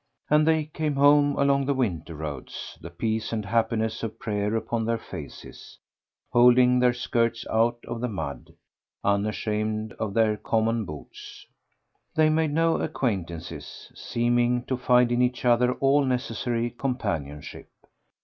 And they came home along the winter roads, the peace and happiness of prayer upon their faces, holding their skirts out of the mud, unashamed of their common boots. They made no acquaintances, seeming to find in each other all necessary companionship.